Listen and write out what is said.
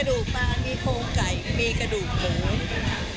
กระดูกปลามีโพงไก่มีกระดูกหมู